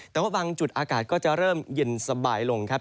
แต่ว่าบางจุดอากาศก็จะเริ่มเย็นสบายลงครับ